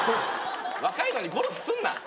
若いのにゴルフすんな。